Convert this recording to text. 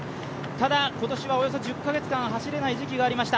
ただ今年はおよそ１０か月間、走れなくなった時期がありました。